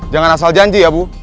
jangan asal janji ya bu